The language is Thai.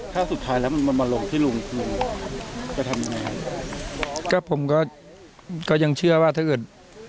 ถ้าสุดท้ายแล้วมันมาลงที่ลุงจะทำยังไงก็ผมก็ก็ยังเชื่อว่าถ้าเกิด